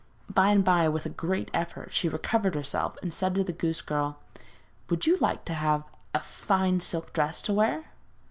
By and by, with a great effort, she recovered herself and said to the goose girl: 'Would you like to have a fine silk dress to wear?'